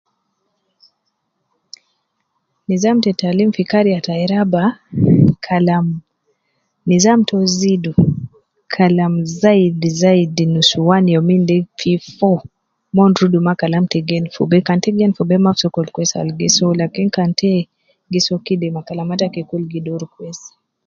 Nizam te taalim fi kariya tayi raba, kalam nizam to zidu kalam zaidi zaidi nusuwan youminde fi foo, mon rudu ma kalam te geni fi bee, kan te geni fi be maf sokol kwesi al gi soo, lakin kan te gi soo kidima kalama taki kul gi doru kwesi.